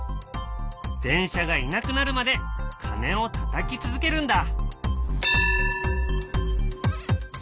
電車がいなくなるまで鐘をたたき続けるんだ。